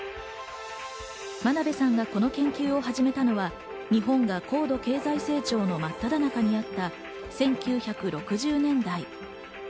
真鍋さんがこの研究を始めたのは日本が高度経済成長のまっただ中にあった１９６０年代。